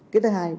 cái thứ hai